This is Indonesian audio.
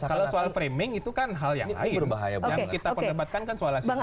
kalau soal framing itu kan hal yang akhir yang kita perdebatkan kan soal simbol